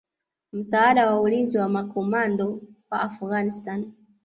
msaada wa ulinzi wa makomando wa Afghanistan